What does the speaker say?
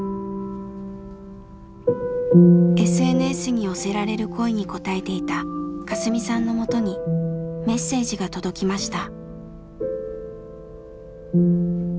ＳＮＳに寄せられる声に答えていたカスミさんのもとにメッセージが届きました。